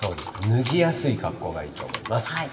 脱ぎやすい格好がいいと思います。